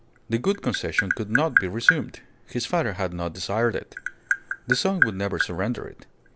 The Gould Concession could not be resumed. His father had not desired it. The son would never surrender it.